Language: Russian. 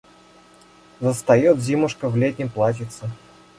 Застает зимушка в летнем платьице.